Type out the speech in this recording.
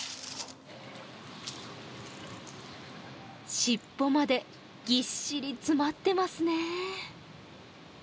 尻尾までぎっしり詰まってますね。